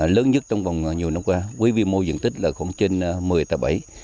lớn nhất trong vòng nhiều năm qua với vi mô diện tích là khoảng trên một mươi bảy hectare